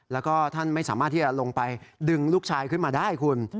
แล้วก็ท่านไม่สามารถที่จะลงไปดึงลูกชายขึ้นมาได้คุณ